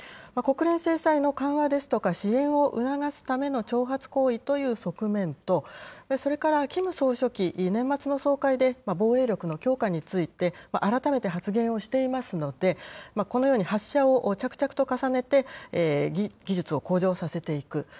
国連制裁の緩和ですとか支援を促すための挑発行為という側面と、それからキム総書記、年末の総会で、防衛力の強化について、改めて発言をしていますので、このように発射を着々と重ねて技術を向上させていく。